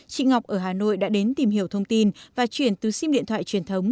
chị ngọc ở hà nội đã đến tìm hiểu thông tin và chuyển từ sim điện thoại truyền thống